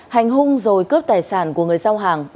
hành hung rồi cướp tài sản của người giao hàng